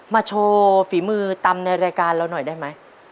โชว์ฝีมือตำในรายการเราหน่อยได้ไหม